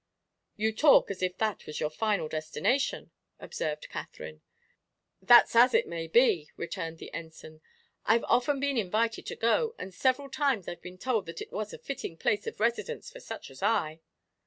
"You talk as if that was your final destination," observed Katherine. "That's as it may be," returned the Ensign. "I've often been invited to go, and several times I've been told that it was a fitting place of residence for such as I."